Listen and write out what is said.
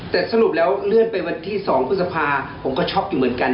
แต่สรุปแล้วเลื่อนไปวันที่๒พฤษภาผมก็ช็อกอยู่เหมือนกัน